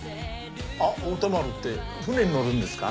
あっ太田丸って船に乗るんですか？